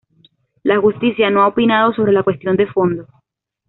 La Justicia no ha opinado sobre la cuestión de fondo.